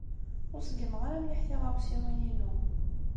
Ur ṣeggmeɣ ara mliḥ tiɣawsiwin-inu.